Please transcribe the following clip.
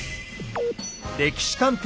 「歴史探偵」